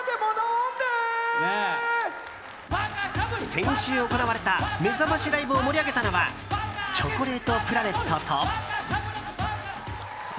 先週行われためざましライブを盛り上げたのはチョコレートプラネット！